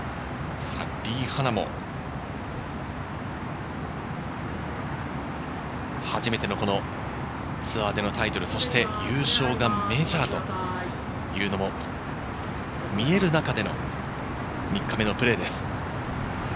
リ・ハナも初めてのツアーでのタイトル、そして優勝がメジャーというのも見える中での３日目のプレーです。